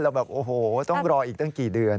แล้วแบบโอ้โหต้องรออีกตั้งกี่เดือน